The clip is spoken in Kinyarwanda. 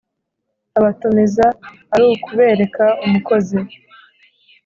abatumiza ari ukubereka umukozi